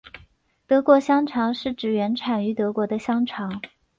德国香肠是指原产于德国的香肠。